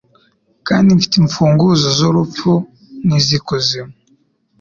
kandi mfite imfunguzo z'urupfu n'iz'ikuzimu